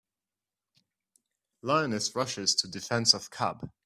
Lioness Rushes to Defense of Cub.